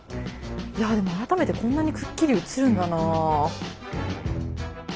いやでも改めてこんなにくっきり映るんだなあ。